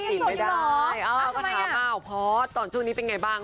อ้อคำถามมากของพอศตอนช่วงนี้เป็นไงบ้าง